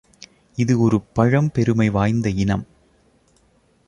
இது ஒரு பழம் பெருமை வாய்ந்த இனம்.